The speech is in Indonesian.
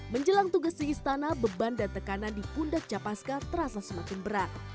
menjelang tugas di istana beban dan tekanan di pundak capaska terasa semakin berat